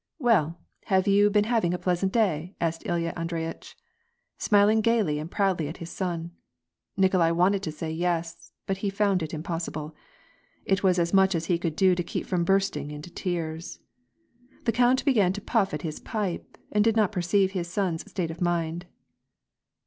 " Well, have you been having a pleasant day ?" asked Ilya Andreyitch, smiling gayly and proudly at his son. Nikolai wanted to say "yes," but he found it impossible: it was as much as he could do to keep from bursting into tears. The count began to puff at his pipe, and did not perceive his son's state of mind.